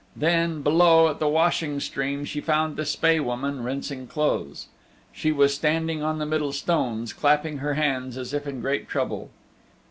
Then, below at the washing stream she found the Spae Woman rinsing clothes. She was standing on the middle stones, clapping her hands as if in great trouble.